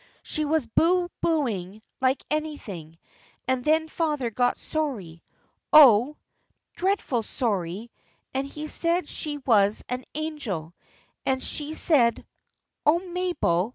"She was boo booing like anything, and then father got sorry oh! dreadful sorry and he said she was an angel, and she said " "Oh, Mabel!"